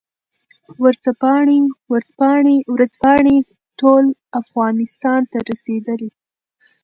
ورځپاڼې ټول افغانستان ته رسېدې.